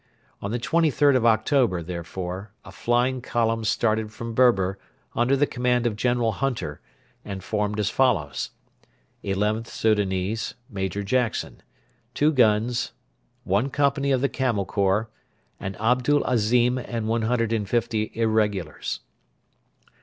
On the 23rd of October, therefore, a flying column started from Berber under the command of General Hunter, and formed as follows: XIth Soudanese (Major Jackson), two guns, one company of the Camel Corps, and Abdel Azim and 150 irregulars.